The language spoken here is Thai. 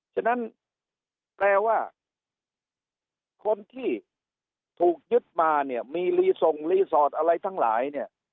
ฉะนั้นแปลว่าคนที่ถูกยึดมามีลีส่งลีสอร์ทอะไรทั้งหลาย